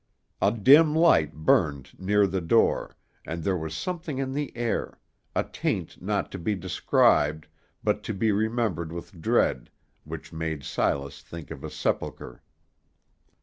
A dim light burned near the door, and there was something in the air a taint not to be described, but to be remembered with dread which made Silas think of a sepulchre.